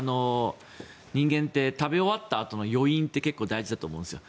人間って食べ終わったあとの余韻って結構、大事だと思うんですよ。